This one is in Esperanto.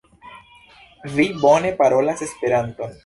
Vi bone parolas Esperanton.